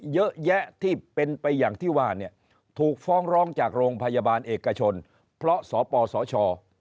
เยอะแยะที่เป็นไปอย่างที่ว่าเนี่ยถูกฟ้องร้องจากโรงพยาบาลเอกชนเพราะสปสช